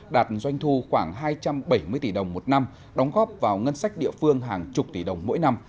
đạt doanh thu khoảng hai trăm bảy mươi tỷ đồng một năm đóng góp vào ngân sách địa phương hàng chục tỷ đồng mỗi năm